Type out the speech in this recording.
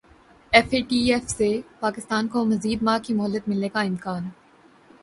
F A T F سے پاکستان کو مزید ماہ کی مہلت ملنے کا امکان